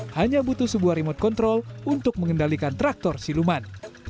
hanya butuh sebuah remote control untuk mengendalikan traktor siluman